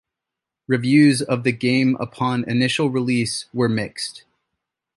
Reviews of the game upon initial release were mixed.